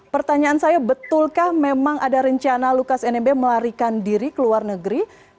pertanyaan saya betulkah memang ada rencana lukas nmb melarikan diri ke luar negeri